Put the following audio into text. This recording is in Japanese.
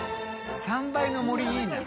３倍の盛りいいな。